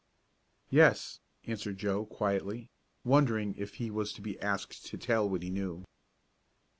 "Yes," answered Joe quietly, wondering if he was to be asked to tell what he knew.